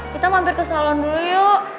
kita mampir ke salon dulu yuk